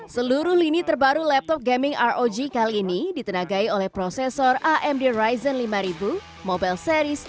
seluruh lini terbaru laptop gaming rog kali ini ditenagai oleh prosesor amd rizon lima ribu mobile series